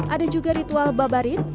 ada juga ritual babarit